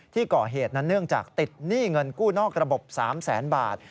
ที่ก่อเหตุนั้นเนื่องจากติดหนี้เงินกู้นอกระบบ๓แสนบาท